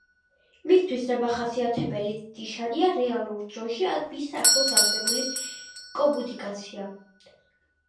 მისთვის დამახასიათებელი ნიშანია რეალურ დროში ან მის ახლოს არსებული კომუნიკაცია.